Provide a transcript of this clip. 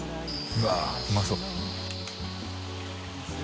うわぁうまそう。